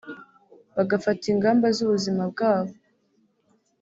bagafata ingamba z'ubuzima bwabo